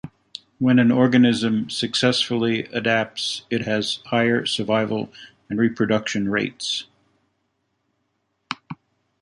When an organism successfully adapts, it has higher survival and reproduction rates.